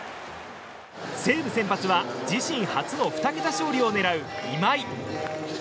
西武先発は自身初の２桁勝利を狙う今井。